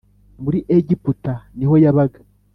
Muri Egiputa niho yabaga.